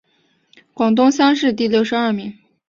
广东乡试第六十二名。